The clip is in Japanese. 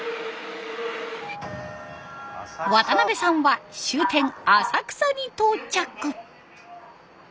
渡辺さんは終点浅草に到着。